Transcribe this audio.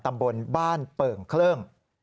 ตำบลบ้านเปิ่งเคลิ่ง